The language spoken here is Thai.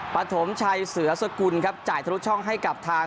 ปฐมชัยเสือสกุลครับจ่ายทะลุช่องให้กับทาง